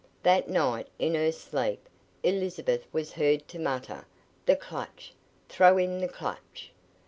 That night, in her sleep, Elizabeth was heard to mutter "The clutch! Throw in the clutch!"